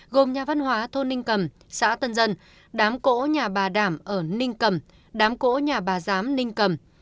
gồm nhà văn hóa thôn ninh cầm xã tân dân đám cổ nhà bà đảm ở ninh cầm đám cỗ nhà bà giám ninh cầm